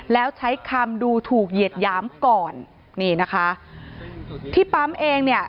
แล้วใช้คำดูถูกเหยียดหยามก่อนนี่นะคะที่ปั๊มเองเนี่ย